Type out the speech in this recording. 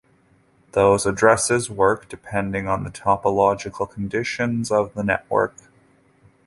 Those addresses work depending on the topological conditions of the network.